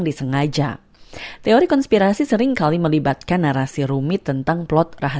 dan juga informasi yang tidak sesuai dengan kebenaran